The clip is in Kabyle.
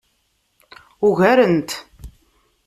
Ugaren-t.